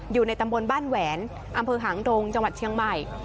อยู่ในตำบลบ้านแหวนอำเภอหางดงจังหวัดเชียงใหม่